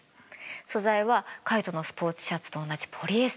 素材はカイトのスポーツシャツと同じポリエステルなの。